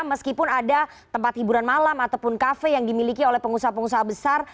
meskipun ada tempat hiburan malam ataupun kafe yang dimiliki oleh pengusaha pengusaha besar